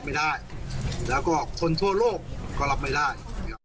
ไม่ได้แล้วก็คนทั่วโลกก็รับไม่ได้นะครับ